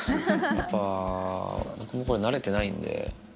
やっぱ僕もこれ慣れてないんで。